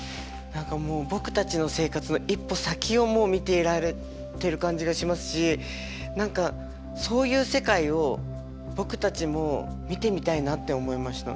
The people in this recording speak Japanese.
何かもう僕たちの生活の一歩先を見ていられてる感じがしますし何かそういう世界を僕たちも見てみたいなって思いました。